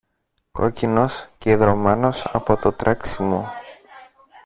κόκκινος και ιδρωμένος από το τρέξιμο.